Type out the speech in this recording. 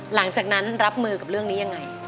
หลังจากนั้นรับมือกับเรื่องนี้ยังไง